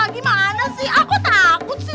gimana sih aku takut sih